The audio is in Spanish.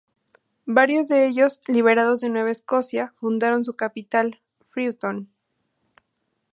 Varios de ellos, liberados de Nueva Escocia, fundaron su capital, Freetown.